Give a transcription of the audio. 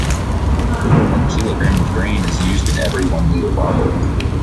Over one kilogram of grain is used in every one-liter bottle.